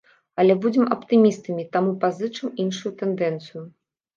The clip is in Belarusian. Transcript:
Але будзем аптымістамі, таму пазычым іншую тэндэнцыю.